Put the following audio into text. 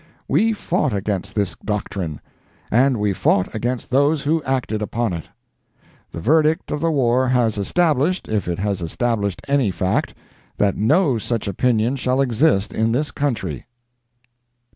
We fought against this doctrine, and we fought against those who acted upon it. The verdict of the war has established, if it has established any fact, that no such opinion shall exist in this country.